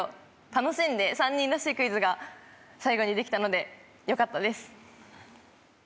楽しんで３人らしいクイズが最後にできたのでよかったです。